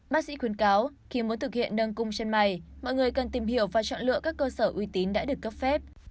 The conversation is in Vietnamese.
bác sĩ khuyến cáo khi muốn thực hiện nâng cung chân mày mọi người cần tìm hiểu và chọn lựa các cơ sở uy tín đã được cấp phép